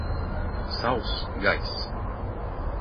Sauss gaiss.